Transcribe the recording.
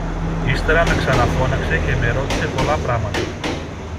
Ύστερα με ξαναφώναξε και με ρώτησε πολλά πράματα